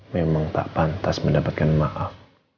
memang tak pantas mendapatkan maaf